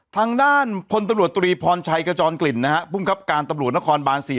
ทางด้านพลตำรวจตรีพรชัยกระจอนกลิ่นนะฮะภูมิครับการตำรวจนครบาน๔